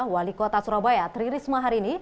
wali kota surabaya tri risma hari ini